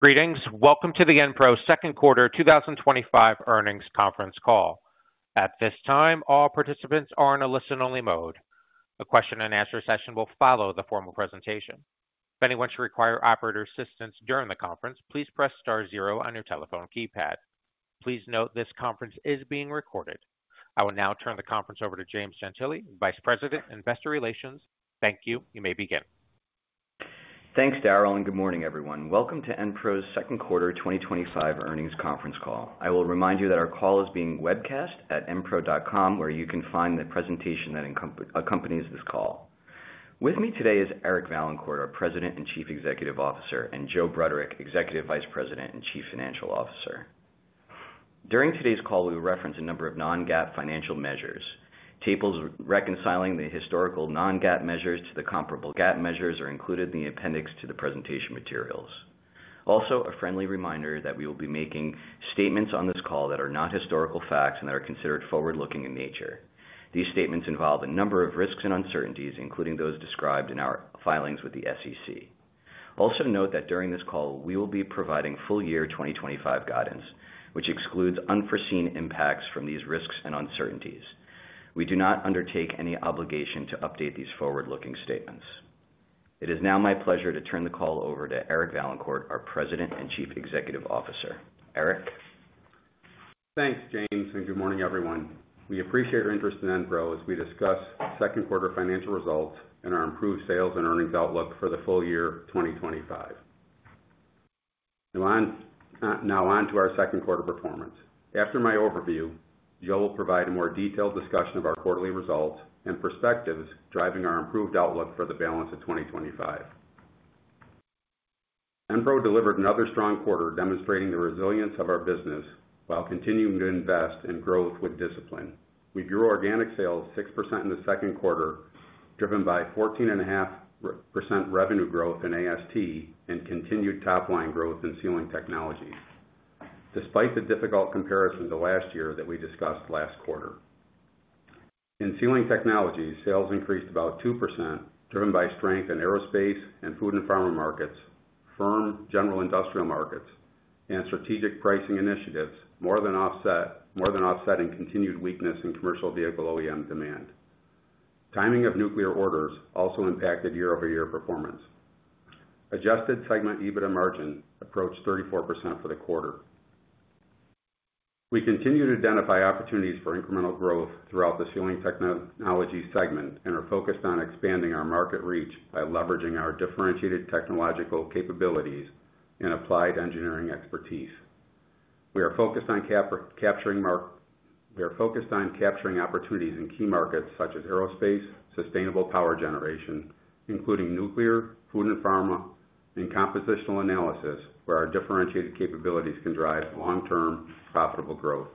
Greetings. Welcome to the Enpro Second Quarter 2025 Earnings Conference Call. At this time, all participants are in a listen-only mode. A question and answer session will follow the formal presentation. If anyone should require operator assistance during the conference, please press star zero on your telephone keypad. Please note this conference is being recorded. I will now turn the conference over to James Gentile, Vice President, Investor Relations. Thank you. You may begin. Thanks, Daryl, and good morning, everyone. Welcome to Enpro's Second Quarter 2025 Earnings Conference Call. I will remind you that our call is being webcast at enpro.com, where you can find the presentation that accompanies this call. With me today is Eric Vaillancourt, our President and Chief Executive Officer, and Joe Bruderek, Executive Vice President and Chief Financial Officer. During today's call, we will reference a number of non-GAAP financial measures. Tables reconciling the historical non-GAAP measures to the comparable GAAP measures are included in the appendix to the presentation materials. Also, a friendly reminder that we will be making statements on this call that are not historical facts and that are considered forward-looking in nature. These statements involve a number of risks and uncertainties, including those described in our filings with the SEC. Also note that during this call, we will be providing full-year 2025 guidance, which excludes unforeseen impacts from these risks and uncertainties. We do not undertake any obligation to update these forward-looking statements. It is now my pleasure to turn the call over to Eric Vaillancourt, our President and Chief Executive Officer. Eric? Thanks, James, and good morning, everyone. We appreciate your interest in Enpro as we discuss second quarter financial results and our improved sales and earnings outlook for the full year 2025. Now on to our second quarter performance. After my overview, Joe will provide a more detailed discussion of our quarterly results and perspectives driving our improved outlook for the balance of 2025. Enpro delivered another strong quarter, demonstrating the resilience of our business while continuing to invest in growth with discipline. We grew organic sales 6% in the second quarter, driven by 14.5% revenue growth in AST and continued top-line growth in sealing technologies, despite the difficult comparison to last year that we discussed last quarter. In sealing technologies, sales increased about 2%, driven by strength in aerospace and food and pharma markets, firm general industrial markets, and strategic pricing initiatives more than offsetting continued weakness in commercial vehicle OEM demand. Timing of nuclear orders also impacted year-over-year performance. Adjusted segment EBITDA margin approached 34% for the quarter. We continue to identify opportunities for incremental growth throughout the sealing technologies segment and are focused on expanding our market reach by leveraging our differentiated technological capabilities and applied engineering expertise. We are focused on capturing opportunities in key markets such as aerospace, sustainable power generation, including nuclear, food and pharma, and compositional analysis, where our differentiated capabilities can drive long-term profitable growth.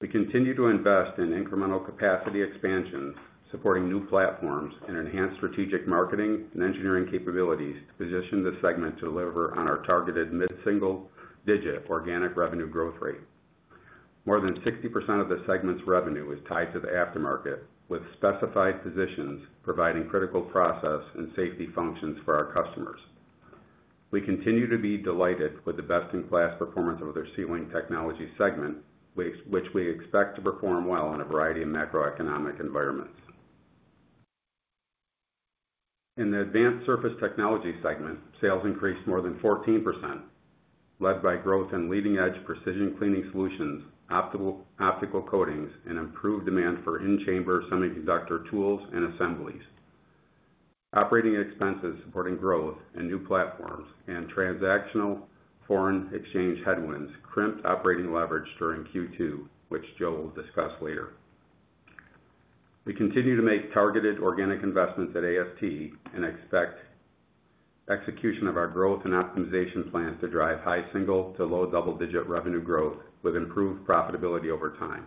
We continue to invest in incremental capacity expansion, supporting new platforms and enhanced strategic marketing and engineering capabilities to position the segment to deliver on our targeted mid-single-digit organic revenue growth rate. More than 60% of the segment's revenue is tied to the aftermarket, with specified positions providing critical process and safety functions for our customers. We continue to be delighted with the best-in-class performance of the sealing technologies segment, which we expect to perform well in a variety of macroeconomic environments. In the advanced surface technologies segment, sales increased more than 14%, led by growth in leading-edge precision cleaning solutions, optical coatings, and improved demand for in-chamber semiconductor tools and assemblies. Operating expenses supporting growth in new platforms and transactional foreign exchange headwinds crimped operating leverage during Q2, which Joe will discuss later. We continue to make targeted organic investments at AST and expect execution of our growth and optimization plans to drive high single to low double-digit revenue growth with improved profitability over time.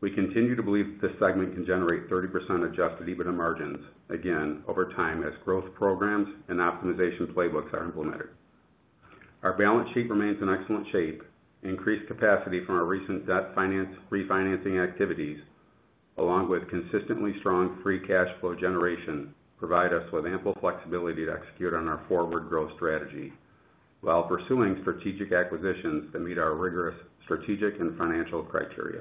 We continue to believe that this segment can generate 30% adjusted EBITDA margins, again, over time as growth programs and optimization playbooks are implemented. Our balance sheet remains in excellent shape. Increased capacity from our recent debt finance refinancing activities, along with consistently strong free cash flow generation, provide us with ample flexibility to execute on our forward growth strategy while pursuing strategic acquisitions that meet our rigorous strategic and financial criteria.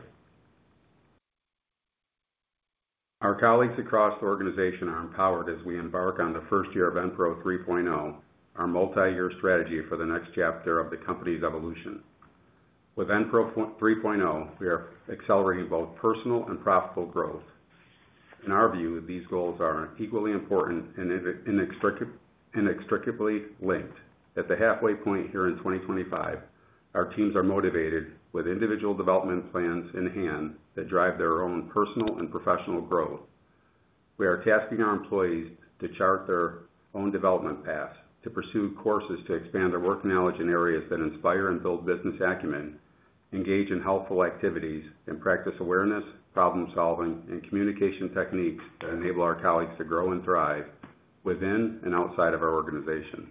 Our colleagues across the organization are empowered as we embark on the first year of Enpro 3.0, our multi-year strategy for the next chapter of the company's evolution. With Enpro 3.0, we are accelerating both personal and profitable growth. In our view, these goals are equally important and inextricably linked. At the halfway point here in 2025, our teams are motivated with individual development plans in hand that drive their own personal and professional growth. We are tasking our employees to chart their own development paths, to pursue courses to expand their work knowledge in areas that inspire and build business acumen, engage in helpful activities, and practice awareness, problem solving, and communication techniques that enable our colleagues to grow and thrive within and outside of our organization.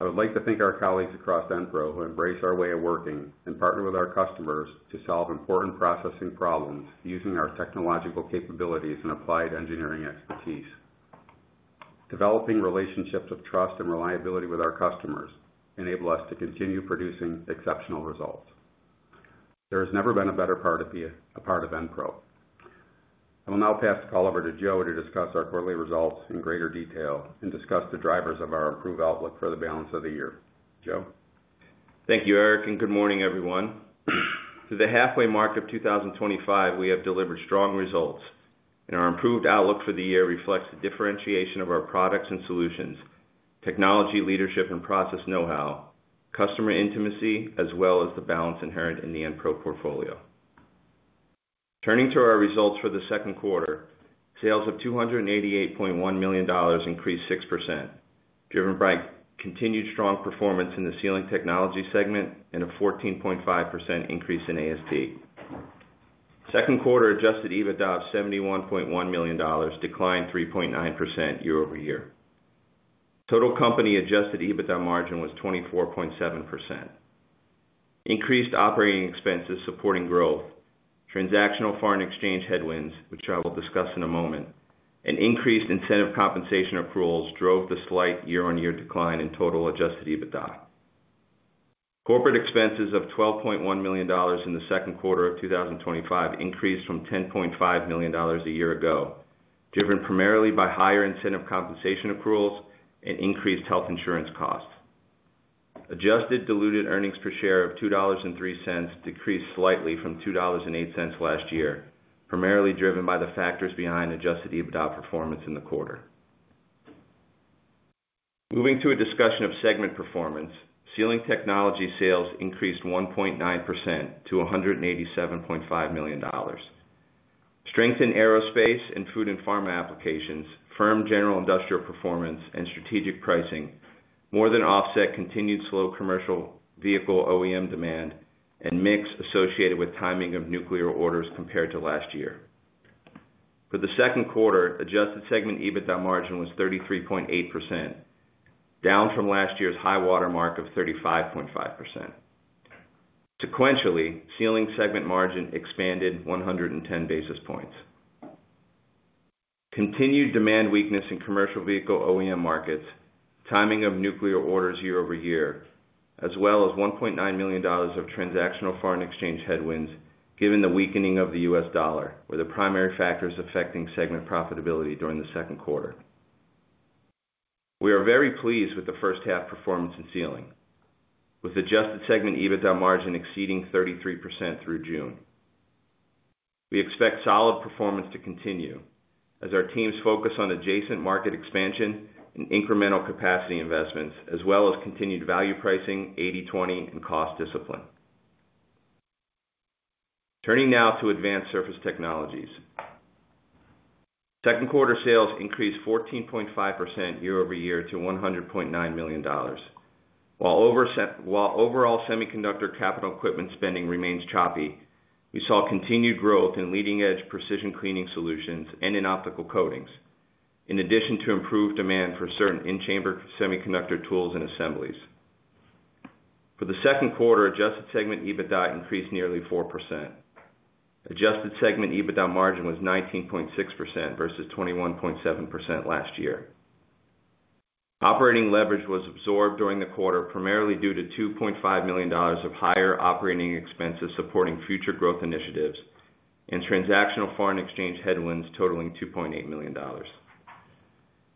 I would like to thank our colleagues across Enpro who embrace our way of working and partner with our customers to solve important processing problems using our technological capabilities and applied engineering expertise. Developing relationships with trust and reliability with our customers enable us to continue producing exceptional results. There has never been a better part of Enpro. I will now pass the call over to Joe to discuss our quarterly results in greater detail and discuss the drivers of our improved outlook for the balance of the year. Joe? Thank you, Eric, and good morning, everyone. To the halfway mark of 2025, we have delivered strong results, and our improved outlook for the year reflects the differentiation of our products and solutions, technology leadership, and process know-how, customer intimacy, as well as the balance inherent in the Enpro portfolio. Turning to our results for the second quarter, sales of $288.1 million increased 6%, driven by continued strong performance in the sealing technologies segment and a 14.5% increase in AST. Second quarter adjusted EBITDA of $71.1 million declined 3.9% year over year. Total company adjusted EBITDA margin was 24.7%. Increased operating expenses supporting growth, transactional foreign exchange headwinds, which I will discuss in a moment, and increased incentive compensation accruals drove the slight year-on-year decline in total adjusted EBITDA. Corporate expenses of $12.1 million in the second quarter of 2025 increased from $10.5 million a year ago, driven primarily by higher incentive compensation accruals and increased health insurance costs. Adjusted diluted EPS of $2.03 decreased slightly from $2.08 last year, primarily driven by the factors behind adjusted EBITDA performance in the quarter. Moving to a discussion of segment performance, sealing technologies sales increased 1.9% to $187.5 million. Strength in aerospace and food and pharma applications, firm general industrial performance, and strategic pricing more than offset continued slow commercial vehicle OEM demand and mix associated with timing of nuclear orders compared to last year. For the second quarter, adjusted segment EBITDA margin was 33.8%, down from last year's high watermark of 35.5%. Sequentially, sealing segment margin expanded 110 basis points. Continued demand weakness in commercial vehicle OEM markets, timing of nuclear orders year over year, as well as $1.9 million of transactional foreign exchange headwinds, given the weakening of the U.S. dollar, were the primary factors affecting segment profitability during the second quarter. We are very pleased with the first half performance in sealing, with adjusted segment EBITDA margin exceeding 33% through June. We expect solid performance to continue as our teams focus on adjacent market expansion and incremental capacity investments, as well as continued value pricing, 80/20, and cost discipline. Turning now to advanced surface technologies. Second quarter sales increased 14.5% year over year to $100.9 million. While overall semiconductor capital equipment spending remains choppy, we saw continued growth in leading-edge precision cleaning solutions and in optical coatings, in addition to improved demand for certain in-chamber semiconductor tools and assemblies. For the second quarter, adjusted segment EBITDA increased nearly 4%. Adjusted segment EBITDA margin was 19.6% versus 21.7% last year. Operating leverage was absorbed during the quarter, primarily due to $2.5 million of higher operating expenses supporting future growth initiatives and transactional foreign exchange headwinds totaling $2.8 million.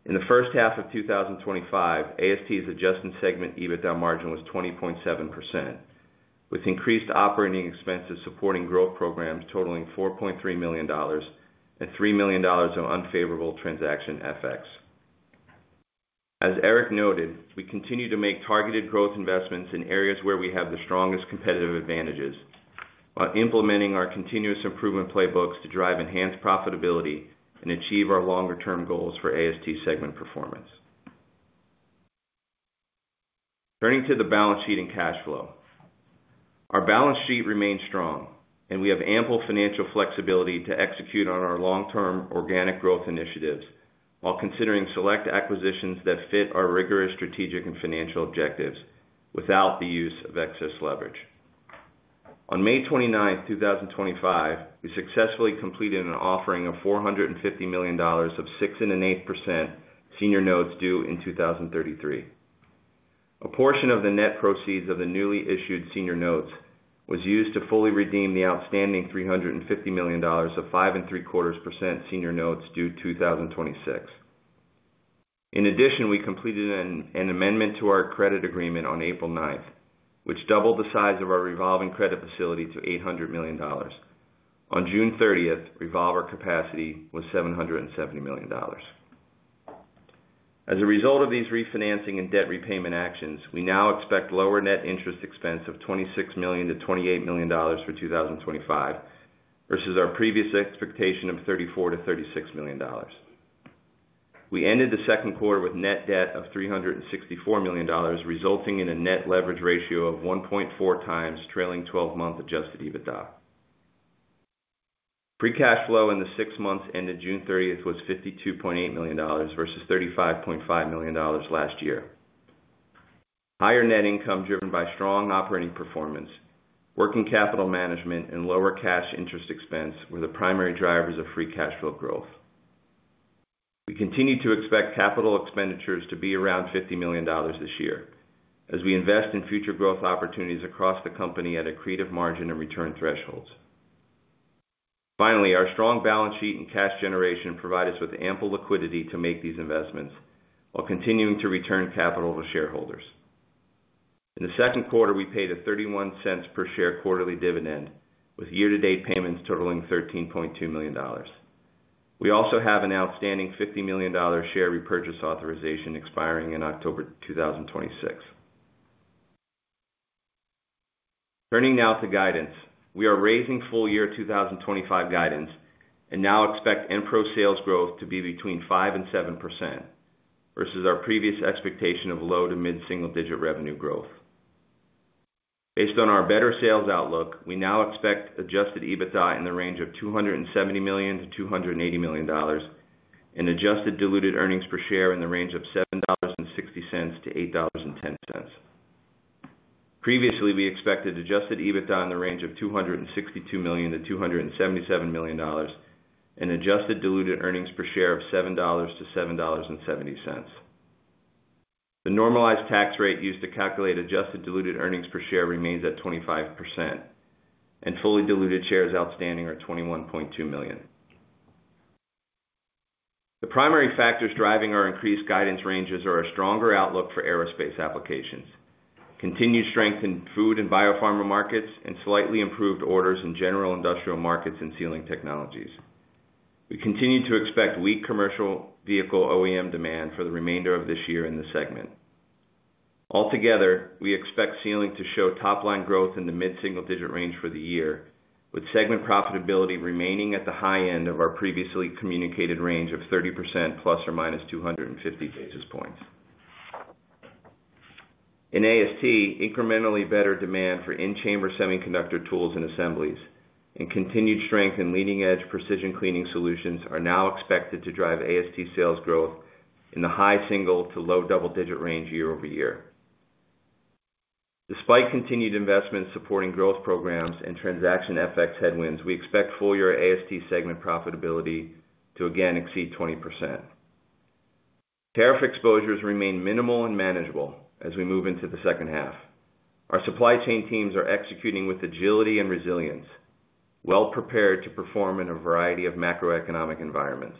In the first half of 2025, AST's adjusted segment EBITDA margin was 20.7%, with increased operating expenses supporting growth programs totaling $4.3 million and $3 million of unfavorable transaction FX. As Eric noted, we continue to make targeted growth investments in areas where we have the strongest competitive advantages, while implementing our continuous improvement playbooks to drive enhanced profitability and achieve our longer-term goals for AST segment performance. Turning to the balance sheet and cash flow. Our balance sheet remains strong, and we have ample financial flexibility to execute on our long-term organic growth initiatives while considering select acquisitions that fit our rigorous strategic and financial objectives without the use of excess leverage. On May 29th, 2025, we successfully completed an offering of $450 million of 6.8% senior notes due in 2033. A portion of the net proceeds of the newly issued senior notes was used to fully redeem the outstanding $350 million of 5.25% senior notes due 2026. In addition, we completed an amendment to our credit agreement on April 9th, which doubled the size of our revolving credit facility to $800 million. On June 30th, revolver capacity was $770 million. As a result of these refinancing and debt repayment actions, we now expect lower net interest expense of $26 million-$28 million for 2025 versus our previous expectation of $34 million-$36 million. We ended the second quarter with net debt of $364 million, resulting in a net leverage ratio of 1.4 times, trailing 12-month adjusted EBITDA. Free cash flow in the six months ended June 30th was $52.8 million versus $35.5 million last year. Higher net income driven by strong operating performance, working capital management, and lower cash interest expense were the primary drivers of free cash flow growth. We continue to expect capital expenditures to be around $50 million this year, as we invest in future growth opportunities across the company at accretive margin and return thresholds. Finally, our strong balance sheet and cash generation provide us with ample liquidity to make these investments while continuing to return capital to shareholders. In the second quarter, we paid a $0.31 per share quarterly dividend, with year-to-date payments totaling $13.2 million. We also have an outstanding $50 million share repurchase authorization expiring in October 2026. Turning now to guidance, we are raising full-year 2025 guidance and now expect Enpro sales growth to be between 5% and 7% versus our previous expectation of low to mid-single-digit revenue growth. Based on our better sales outlook, we now expect adjusted EBITDA in the range of $270 million-$280 million and adjusted diluted EPS in the range of $7.60-$8.10. Previously, we expected adjusted EBITDA in the range of $262 million-$277 million and adjusted diluted EPS of $7-$7.70. The normalized tax rate used to calculate adjusted diluted EPS remains at 25%, and fully diluted shares outstanding are 21.2 million. The primary factors driving our increased guidance ranges are a stronger outlook for aerospace applications, continued strength in food and biopharma markets, and slightly improved orders in general industrial markets and sealing technologies. We continue to expect weak commercial vehicle OEM demand for the remainder of this year in the segment. Altogether, we expect sealing to show top-line growth in the mid-single-digit range for the year, with segment profitability remaining at the high end of our previously communicated range of 30% plus or minus 250 basis points. In advanced surface technologies, incrementally better demand for in-chamber semiconductor tools and assemblies, and continued strength in leading-edge precision cleaning solutions are now expected to drive advanced surface technologies sales growth in the high single to low double-digit range year over year. Despite continued investments supporting growth programs and transaction FX headwinds, we expect full-year advanced surface technologies segment profitability to again exceed 20%. Tariff exposures remain minimal and manageable as we move into the second half. Our supply chain teams are executing with agility and resilience, well-prepared to perform in a variety of macroeconomic environments.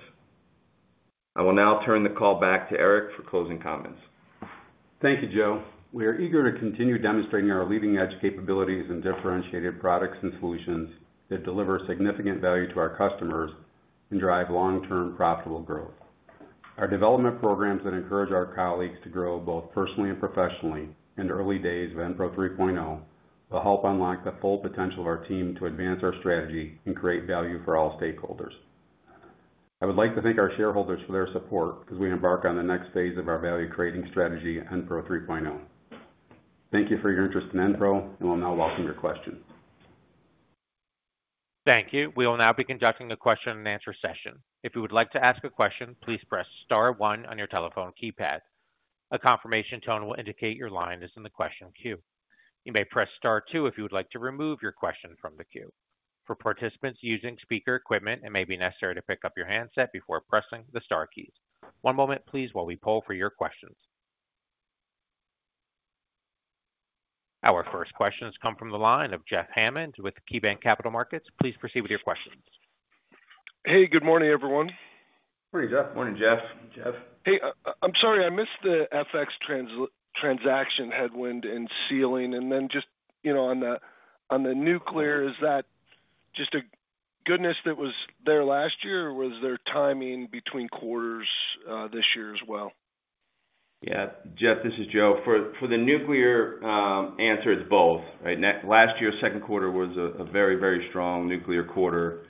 I will now turn the call back to Eric for closing comments. Thank you, Joe. We are eager to continue demonstrating our leading-edge capabilities and differentiated products and solutions that deliver significant value to our customers and drive long-term profitable growth. Our development programs that encourage our colleagues to grow both personally and professionally in the early days of Enpro 3.0 will help unlock the full potential of our team to advance our strategy and create value for all stakeholders. I would like to thank our shareholders for their support as we embark on the next phase of our value-creating strategy, Enpro 3.0. Thank you for your interest in Enpro, and we'll now welcome your questions. Thank you. We will now be conducting the question and answer session. If you would like to ask a question, please press star one on your telephone keypad. A confirmation tone will indicate your line is in the question queue. You may press star two if you would like to remove your question from the queue. For participants using speaker equipment, it may be necessary to pick up your handset before pressing the star keys. One moment, please, while we poll for your questions. Our first questions come from the line of Jeff Hammond with KeyBanc Capital Markets. Please proceed with your questions. Hey, good morning, everyone. Morning, Jeff. Morning, Jeff. I'm sorry, I missed the FX transaction headwind in sealing and then just, you know, on the nuclear, is that just a goodness that was there last year or was there timing between quarters this year as well? Yeah, Jeff, this is Joe. For the nuclear answer, it's both, right? Last year's second quarter was a very, very strong nuclear quarter.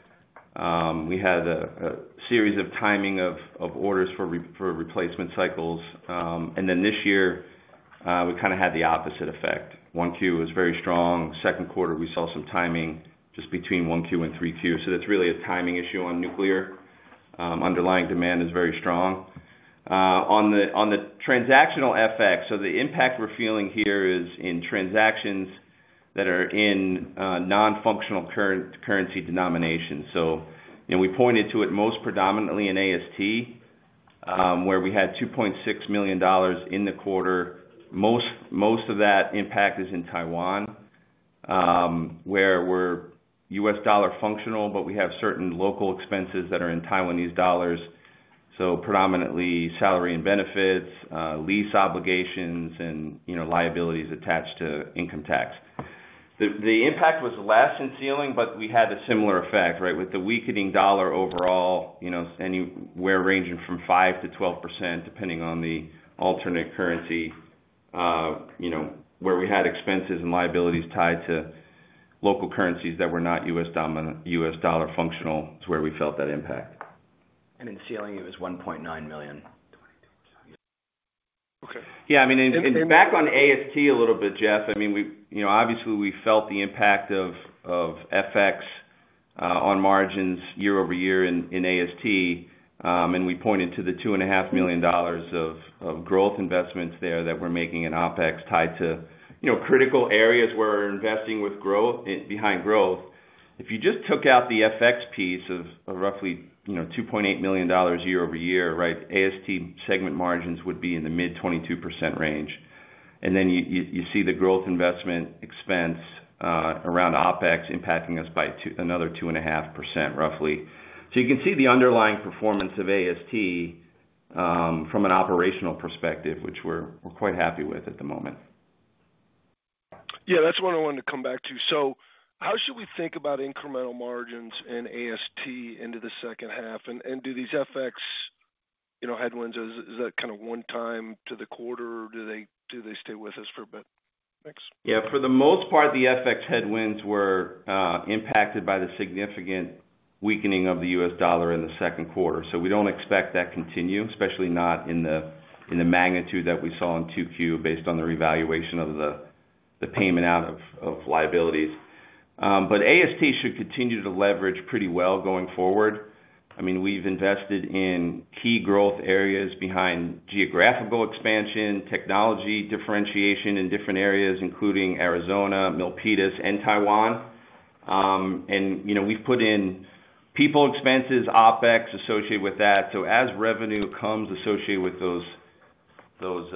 We had a series of timing of orders for replacement cycles, and this year, we kind of had the opposite effect. 1Q was very strong. Second quarter, we saw some timing just between 1Q and 3Q. That's really a timing issue on nuclear. Underlying demand is very strong. On the transactional FX, the impact we're feeling here is in transactions that are in non-functional currency denominations. We pointed to it most predominantly in AST, where we had $2.6 million in the quarter. Most of that impact is in Taiwan, where we're U.S. dollar functional, but we have certain local expenses that are in Taiwanese dollars, predominantly salary and benefits, lease obligations, and liabilities attached to income tax. The impact was less in sealing, but we had a similar effect, right? With the weakening dollar overall, anywhere ranging from 5%-12% depending on the alternate currency, where we had expenses and liabilities tied to local currencies that were not U.S. dollar functional is where we felt that impact. And in sealing, it was $1.9 million. Yeah, I mean, back on AST a little bit, Jeff, we obviously felt the impact of FX on margins year over year in AST, and we pointed to the $2.5 million of growth investments there that we're making in OpEx tied to critical areas where we're investing with growth behind growth. If you just took out the FX piece of roughly $2.8 million year over year, right, AST segment margins would be in the mid-22% range. You see the growth investment expense around OpEx impacting us by another 2.5% roughly. You can see the underlying performance of AST from an operational perspective, which we're quite happy with at the moment. That's what I wanted to come back to. How should we think about incremental margins in AST into the second half? Do these FX headwinds, is that kind of one time to the quarter? Do they stay with us for a bit? Yeah, for the most part, the FX headwinds were impacted by the significant weakening of the U.S. dollar in the second quarter. We don't expect that to continue, especially not in the magnitude that we saw in Q2 based on the revaluation of the payment out of liabilities. AST should continue to leverage pretty well going forward. We've invested in key growth areas behind geographical expansion, technology differentiation in different areas, including Arizona, Milpitas, and Taiwan. We've put in people expenses, OpEx associated with that. As revenue comes associated with those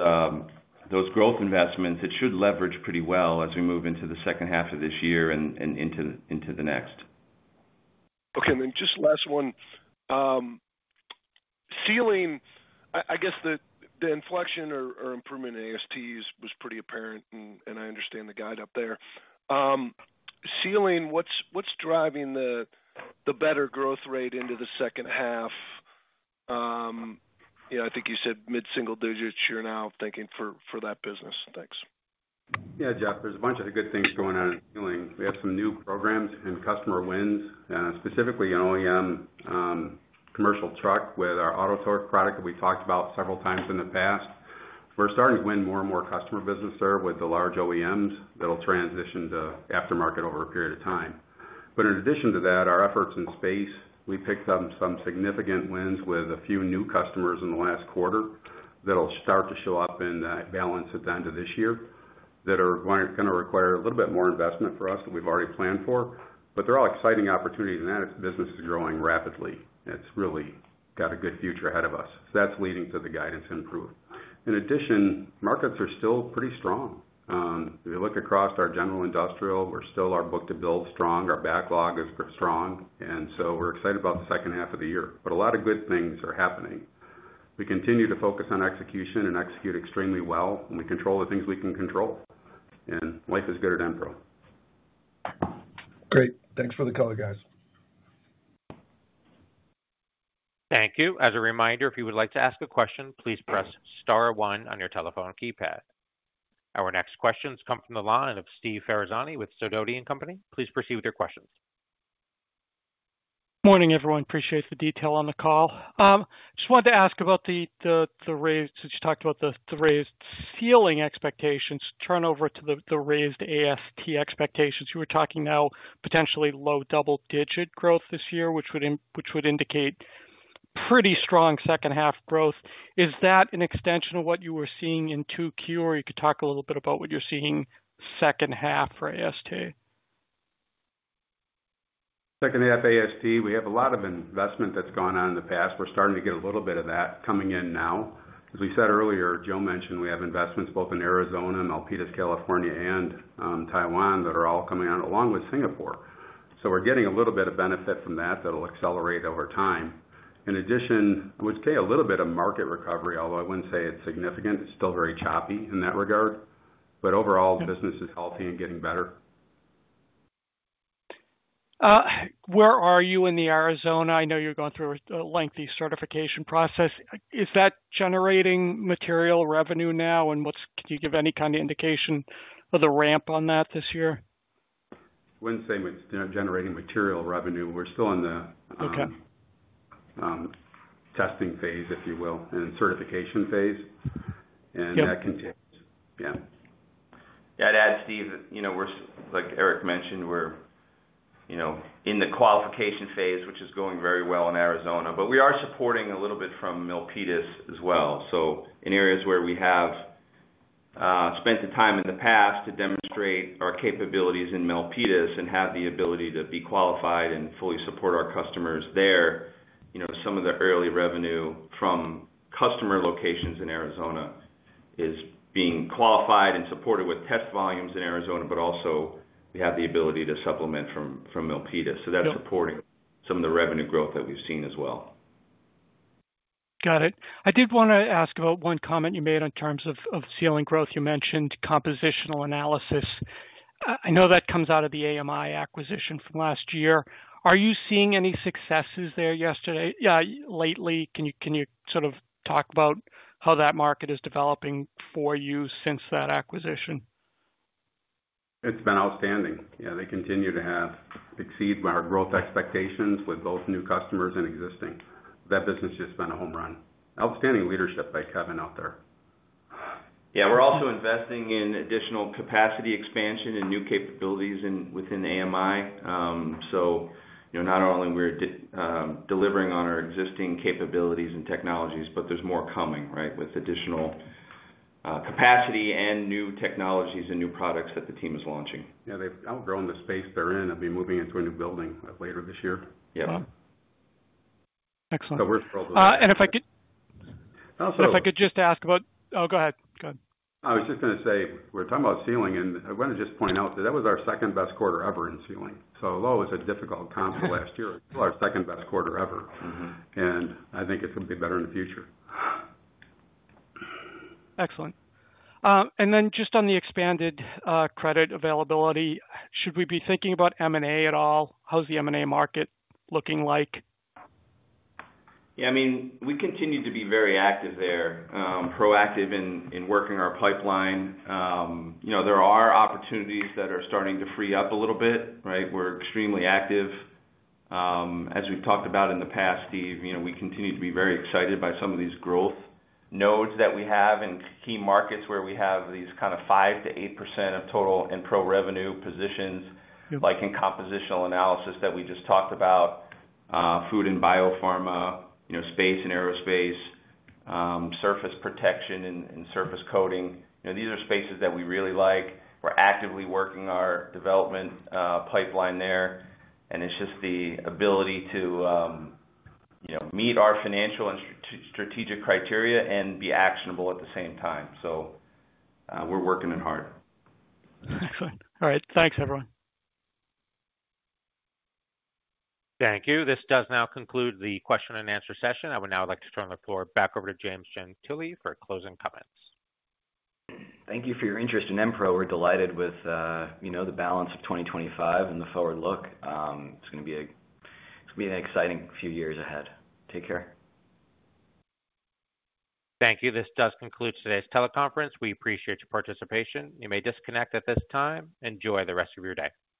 growth investments, it should leverage pretty well as we move into the second half of this year and into the next. Okay, and then just last one. Sealing, I guess the inflection or improvement in AST was pretty apparent, and I understand the guide up there. Sealing, what's driving the better growth rate into the second half? You know, I think you said mid-single digits, you're now thinking for that business. Thanks. Yeah, Jeff, there's a bunch of good things going on in sealing. We have some new programs and customer wins, specifically in OEM commercial trucks with our AutoTorque product that we talked about several times in the past. We're starting to win more and more customer business there with the large OEMs that will transition to aftermarket over a period of time. In addition to that, our efforts in space, we picked up some significant wins with a few new customers in the last quarter that will start to show up in that balance at the end of this year that are going to require a little bit more investment for us that we've already planned for. They're all exciting opportunities and that business is growing rapidly. It's really got a good future ahead of us. That's leading to the guidance improve. In addition, markets are still pretty strong. If you look across our general industrial, we're still our book to build strong. Our backlog is strong. We're excited about the second half of the year. A lot of good things are happening. We continue to focus on execution and execute extremely well. We control the things we can control. Life is good at Enpro. Great. Thanks for the call, guys. Thank you. As a reminder, if you would like to ask a question, please press star one on your telephone keypad. Our next questions come from the line of Steve Ferazani with Sidoti & Company. Please proceed with your questions. Morning, everyone. Appreciate the detail on the call. I just wanted to ask about the raise, since you talked about the raised ceiling expectations, turn over to the raised AST expectations. You were talking now potentially low double-digit growth this year, which would indicate pretty strong second half growth. Is that an extension of what you were seeing in 2Q, or you could talk a little bit about what you're seeing second half for AST? Second half AST, we have a lot of investment that's gone on in the past. We're starting to get a little bit of that coming in now. As we said earlier, Joe mentioned we have investments both in Arizona, Milpitas, California, and Taiwan that are all coming on along with Singapore. We're getting a little bit of benefit from that that'll accelerate over time. In addition, I would say a little bit of market recovery, although I wouldn't say it's significant. It's still very choppy in that regard. Overall, the business is healthy and getting better. Where are you in Arizona? I know you're going through a lengthy certification process. Is that generating material revenue now? Could you give any kind of indication of the ramp on that this year? I wouldn't say it's generating material revenue. We're still in the testing phase, if you will, and certification phase. That continues. Yeah, I'd add, Steve, you know, like Eric mentioned, we're in the qualification phase, which is going very well in Arizona. We are supporting a little bit from Milpitas as well. In areas where we have spent the time in the past to demonstrate our capabilities in Milpitas and have the ability to be qualified and fully support our customers there, some of the early revenue from customer locations in Arizona is being qualified and supported with test volumes in Arizona, but also we have the ability to supplement from Milpitas. That's supporting some of the revenue growth that we've seen as well. Got it. I did want to ask about one comment you made in terms of sealing growth. You mentioned compositional analysis. I know that comes out of the AMI acquisition from last year. Are you seeing any successes there lately? Can you sort of talk about how that market is developing for you since that acquisition? It's been outstanding. Yeah, they continue to exceed our growth expectations with both new customers and existing. That business just has been a home run. Outstanding leadership by Kevin out there. Yeah, we're also investing in additional capacity expansion and new capabilities within AMI. Not only are we delivering on our existing capabilities and technologies, but there's more coming, right, with additional capacity and new technologies and new products that the team is launching. Yeah, they've outgrown the space they're in. They'll be moving into a new building later this year. Excellent. If I could just ask about, go ahead. Go ahead. I was just going to say, we're talking about sealing, and I want to just point out that that was our second best quarter ever in sealing. Although it was a difficult comp for last year, it's still our second best quarter ever. I think it's going to be better in the future. Excellent. On the expanded credit availability, should we be thinking about M&A at all? How's the M&A market looking like? Yeah, I mean, we continue to be very active there, proactive in working our pipeline. There are opportunities that are starting to free up a little bit, right? We're extremely active. As we've talked about in the past, Steve, we continue to be very excited by some of these growth nodes that we have in key markets where we have these kind of 5%-8% of total Enpro revenue positions, like in compositional analysis that we just talked about, food and biopharma, space and aerospace, surface protection and surface coating. These are spaces that we really like. We're actively working our development pipeline there. It's just the ability to meet our financial and strategic criteria and be actionable at the same time. We're working in hard. Excellent. All right. Thanks, everyone. Thank you. This does now conclude the question and answer session. I would now like to turn the floor back over to James Gentile for closing comments. Thank you for your interest in Enpro. We're delighted with the balance of 2025 and the forward look. It's going to be an exciting few years ahead. Take care. Thank you. This does conclude today's teleconference. We appreciate your participation. You may disconnect at this time. Enjoy the rest of your day.